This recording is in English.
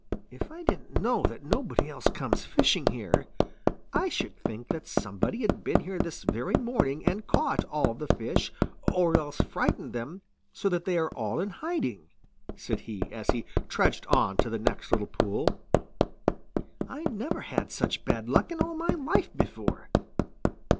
"If I didn't know that nobody else comes fishing here, I should think that somebody had been here this very morning and caught all the fish or else frightened them so that they are all in hiding," said he, as he trudged on to the next little pool. "I never had such bad luck in all my life before.